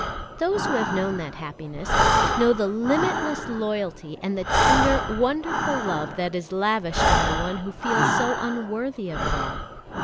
Those who have known that happiness, know the limitless loyalty and the tender, wonderful love that is lavished on the one who feels so unworthy of it all.